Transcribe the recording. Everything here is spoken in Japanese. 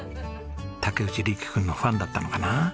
竹内力君のファンだったのかな。